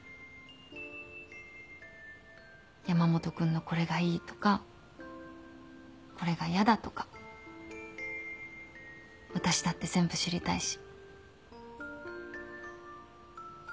山本君のこれがいいとかこれがやだとか私だって全部知りたいし。